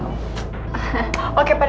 papa masih banyak kerjaan